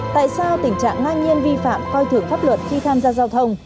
tại sao tình trạng ngang nhiên vi phạm coi thường pháp luật khi tham gia giao thông